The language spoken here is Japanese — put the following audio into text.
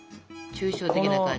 抽象的な感じで。